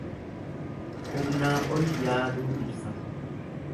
Humnaa ol yaaduu ibsa.